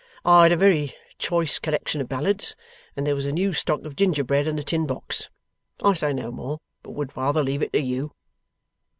I had a very choice collection of ballads, and there was a new stock of gingerbread in the tin box. I say no more, but would rather leave it to you.